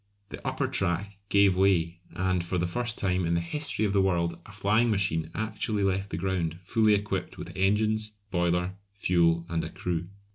The upper track gave way, and for the first time in the history of the world a flying machine actually left the ground fully equipped with engines, boiler, fuel, and a crew.